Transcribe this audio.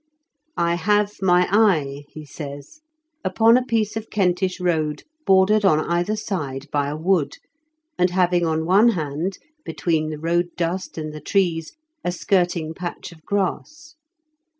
" I have Day eye/' he says, "upon a piece of Kentish road bordered on either side by a wood, and having on one hand, between the road dust and the trees, a skirting patch of grass.